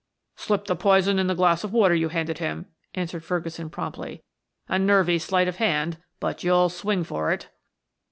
"Slipped the poison in the glass of water you handed him," answered Ferguson promptly. "A nervy sleight of hand, but you'll swing for it."